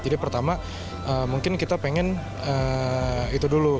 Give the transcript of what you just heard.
jadi pertama mungkin kita pengen itu dulu